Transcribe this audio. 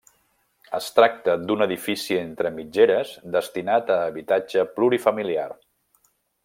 Es tracta d'un edifici entre mitgeres destinat a habitatge plurifamiliar.